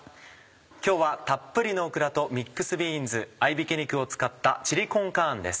今日はたっぷりのオクラとミックスビーンズ合びき肉を使ったチリコンカーンです。